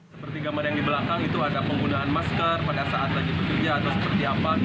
seperti gambar yang di belakang itu ada penggunaan masker pada saat lagi bekerja atau seperti apa